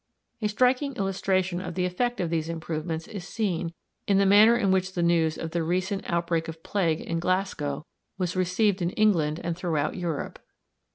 A striking illustration of the effect of these improvements is seen in the manner in which the news of the recent outbreak of plague in Glasgow was received in England and throughout Europe.